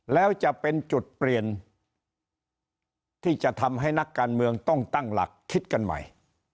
แล้วจะเป็นจุดเปลี่ยนที่จะทำให้นักการเมืองต้องตั้งหลักคิดกันใหม่